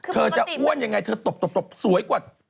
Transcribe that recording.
เธอจะอ้วนยังไงเธอตบสวยกว่า